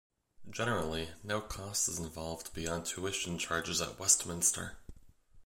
Generally, no cost is involved beyond tuition charges at Westminster.